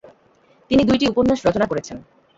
তিনি দুইটি উপন্যাস রচনা করেছেন।